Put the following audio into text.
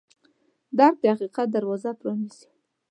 درک د حقیقت دروازه پرانیزي.